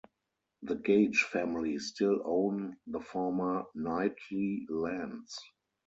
The Gage family still own the former Knightley lands.